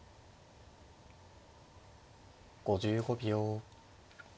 ５５秒。